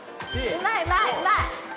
うまいうまいうまい！